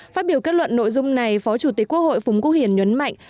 phát biểu kết luận nội dung này phó chủ tịch quốc hội phúng quốc hiền nhấn mạnh